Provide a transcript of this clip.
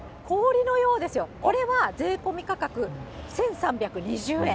あっ、氷のようですよ。これは税込み価格１３２０円。